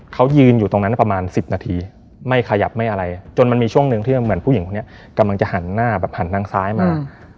เขายืนอยู่ตรงนั้นประมาณ๑๐นาทีไม่ขยับไม่อะไรจนมันมีช่วงหนึ่งที่เหมือนผู้หญิงคนนี้กำลังจะหันหน้าแบบหันทางซ้ายมา